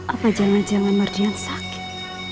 apa jangan jangan mardian sakit